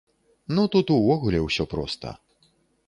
Ну тут увогуле ўсё проста.